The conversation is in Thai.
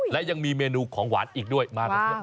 และยังมีเมนูของหวานอีกด้วยมากันนะครับ